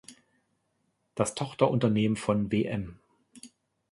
Das Tochterunternehmen von Wm.